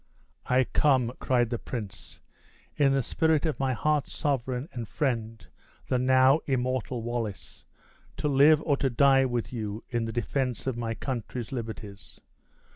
"I come," cried the prince, "in the spirit of my heart's sovereign and friend, the now immortal Wallace, to live or to die with you in the defense of my country's liberties.